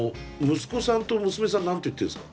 息子さんと娘さん何て言ってるんですか？